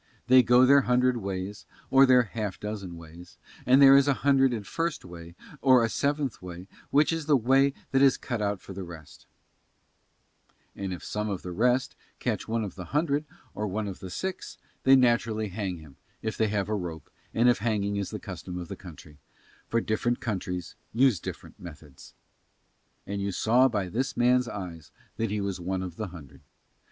They go their hundred ways, or their half dozen ways; and there is a hundred and first way, or a seventh way, which is the way that is cut for the rest: and if some of the rest catch one of the hundred, or one of the six, they naturally hang him, if they have a rope, and if hanging is the custom of the country, for different countries use different methods. And you saw by this man's eyes that he was one of the hundred.